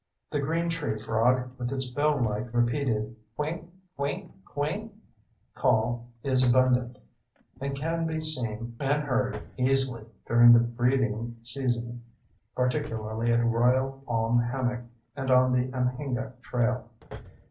The green treefrog, with its bell like, repeated "queenk queenk queenk" call, is abundant, and can be seen and heard easily during the breeding season, particularly at Royal Palm Hammock and on the Anhinga Trail.